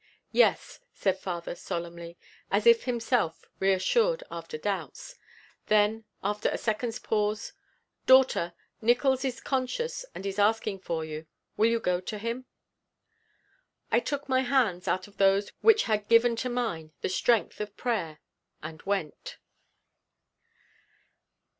"Yes," said father solemnly, as if himself reassured after doubts. Then, after a second's pause: "Daughter, Nickols is conscious and is asking for you. Will you go to him?" I took my hands out of those which had given to mine the strength of prayer and went.